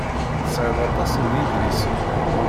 Tesɛiḍ aṭas n yedlisen.